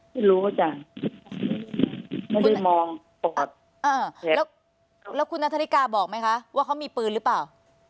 ไม่รู้จ้ะไม่ได้มองแล้วแล้วคุณนาธริกาบอกไหมคะว่าเขามีปืนหรือเปล่า